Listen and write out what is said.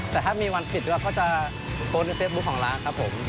แต่ถ้ามีวันผิดเราก็จะโพสต์ในเฟซบุ๊คของร้านครับผม